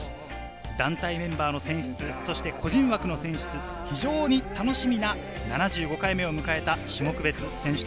団体メンバーの選出、そして個人枠の選出、非常に楽しみな７５回目を迎えた種目別選手権。